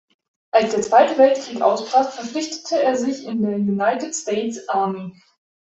Als der Zweite Weltkrieg ausbrach, verpflichtete er sich in der United States Army.